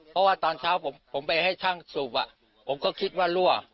เพราะว่าตอนเช้าผมไปให้ช่างสูบผมก็คิดว่ารั่ว